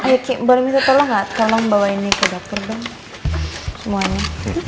ayo boleh minta tolong nggak tolong bawa ini ke dokter bang semuanya